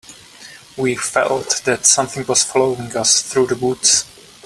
We felt that something was following us through the woods.